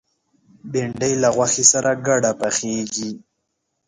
بېنډۍ له غوښې سره ګډه پخېږي